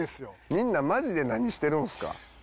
みんなマジで何してるんすか？